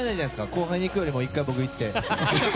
後輩にいくよりも１回僕にいって。